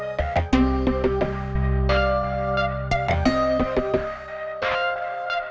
udah selesai bersih bersih ya pak